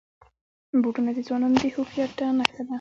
بوټونه د ځوانانو د هوښیارتیا نښه ده.